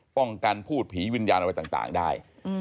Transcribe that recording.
ป้องกันพูดผีวิญญาณอะไรต่างได้